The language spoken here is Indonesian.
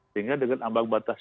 sehingga dengan ambang batas